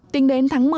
tính đến tháng một mươi